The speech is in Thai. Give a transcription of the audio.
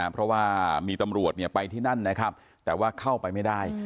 เพราะว่ามีตำรวจไปที่นั่นนะครับแต่ว่าเข้าไปไม่ได้